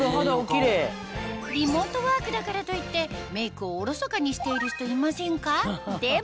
リモートワークだからといってメイクをおろそかにしている人いませんか？